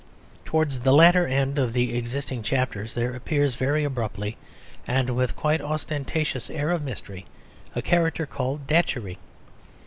Towards the latter end of the existing chapters there appears very abruptly, and with a quite ostentatious air of mystery, a character called Datchery.